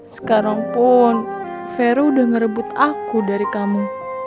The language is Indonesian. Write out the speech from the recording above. sekarang pun vero udah ngerebut aku dari kamu